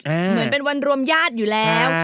เหมือนเป็นวันรวมญาติอยู่แล้ว